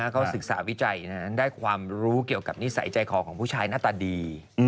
เขาศึกษาวิจัยได้ความรู้เกี่ยวกับนิสัยใจคอของผู้ชายหน้าตาดี